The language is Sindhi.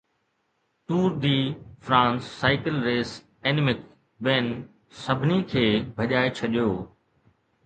ٽور ڊي فرانس سائيڪل ريس اينمڪ وين سڀني کي ڀڄائي ڇڏيو